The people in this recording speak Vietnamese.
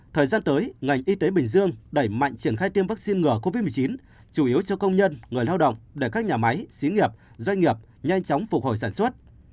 thời gian tới ngành y tế bình dương đẩy mạnh triển khai tiêm vaccine ngừa covid một mươi chín chủ yếu cho công nhân người lao động để các nhà máy xí nghiệp doanh nghiệp nhanh chóng phục hồi sản xuất